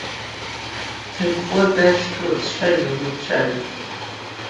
Дакуа-дашьҭуа дцәажәон ицәажәоз.